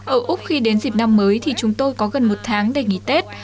ở úc khi đến dịp năm mới thì chúng tôi có gần một tháng để nghỉ tết